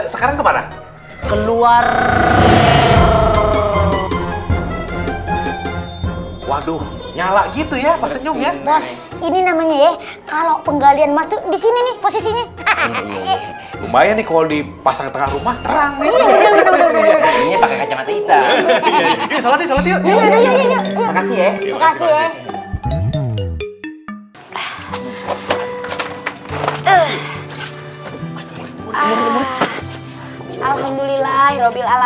sampai jumpa di video selanjutnya